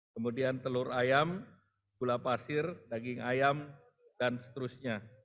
kemudian telur ayam gula pasir daging ayam dan seterusnya